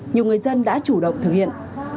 nhiều người dân đã chủ động thực hiện